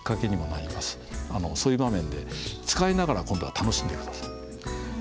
そういう場面で使いながら今度は楽しんで下さい。